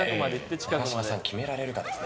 永島さん、決められるかですね。